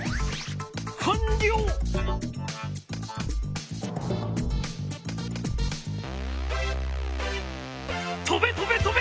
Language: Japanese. かんりょう！とべ！とべ！とべ！